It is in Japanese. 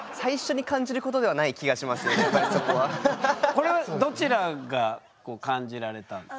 これはどちらが感じられたんですか？